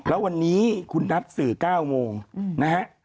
แล้ววันนี้คุณนัดสื่อ๙โมงนะฮะ